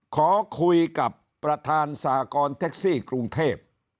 ขอคุยกับประธานสากรแท็กซี่กรุงเทพ